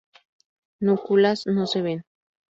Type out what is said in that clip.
Núculas no se ven.